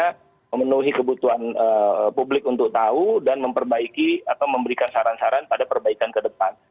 kita memenuhi kebutuhan publik untuk tahu dan memperbaiki atau memberikan saran saran pada perbaikan ke depan